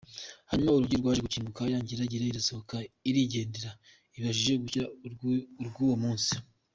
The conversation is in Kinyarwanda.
Hanyuma urugi rwaje gukingurwa ya ngeragere irasohoka irigendera ibashije gukira iry’uwo munsi.